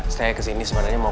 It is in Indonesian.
saya kesini sebenarnya mau